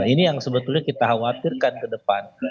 ini yang sebetulnya kita khawatirkan ke depan